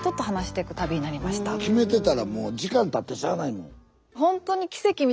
決めてたらもう時間たってしゃあないもん。